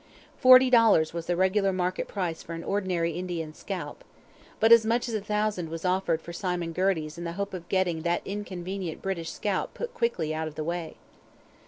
Forty dollars was the regular market price for an ordinary Indian's scalp. But as much as a thousand was offered for Simon Girty's in the hope of getting that inconvenient British scout put quickly out of the way.